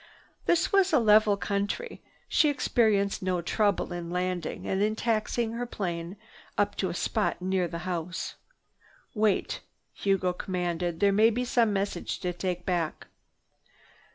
This was a level country. She experienced no trouble in landing and in taxiing her plane up to a spot near the house. "Wait!" Hugo commanded. "There may be some message to take back."